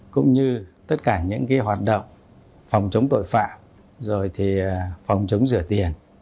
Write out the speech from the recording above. cũng như tất cả những hoạt động phòng chống tội phạm rồi phòng chống rửa tiền